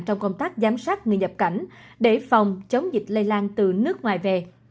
trong công tác giám sát người nhập cảnh để phòng chống dịch lây lan từ nước ngoài về